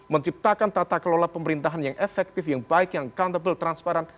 menciptakan tata kelola pemerintahan yang efektif yang baik yang contable transparan